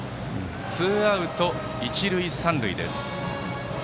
ツーアウト、一塁三塁です。